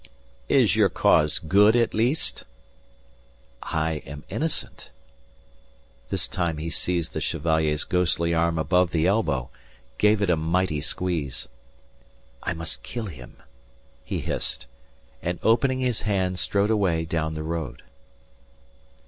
"Is your cause good at least?" "I am innocent." This time he seized the Chevalier's ghostly arm above the elbow, gave it a mighty squeeze. "I must kill him," he hissed, and opening his hand strode away down the road.